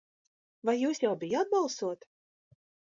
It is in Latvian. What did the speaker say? Vai jūs jau bijāt balsot?